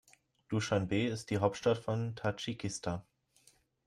Duschanbe ist die Hauptstadt von Tadschikistan.